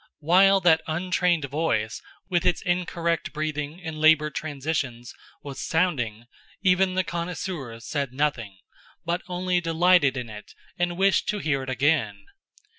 While that untrained voice, with its incorrect breathing and labored transitions, was sounding, even the connoisseurs said nothing, but only delighted in it and wished to hear it again.